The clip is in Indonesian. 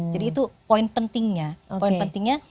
jadi itu poin pentingnya